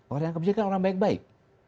orang yang kebijakan orang baik baik